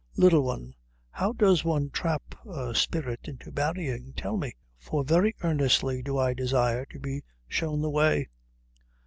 Little One, how does one trap a spirit into marrying? Tell me. For very earnestly do I desire to be shown the way."